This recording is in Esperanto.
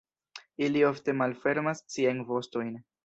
Ili ofte malfermas siajn vostojn.